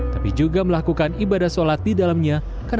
tapi juga melakukan ibadah sholat di dalamnya